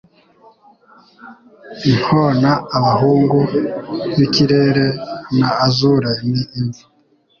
Inkona abahungu b'ikirere na azure ni imva